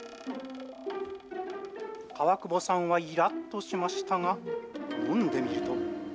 川久保さんはいらっとしましたが、飲んでみると。